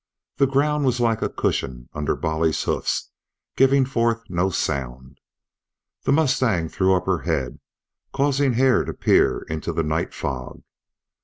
The ground was like a cushion under Bolly's hoofs, giving forth no sound. The mustang threw up her head, causing Hare to peer into the night fog.